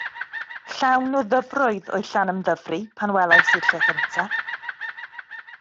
Llawn o ddyfroedd oedd Llanymddyfri pan welais i'r lle gyntaf.